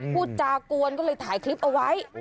พูดจากวนก็เลยถ่ายคลิปเอาไว้